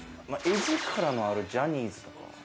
エヂカラのあるジャニーズは？